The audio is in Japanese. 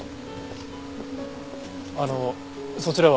あのそちらは？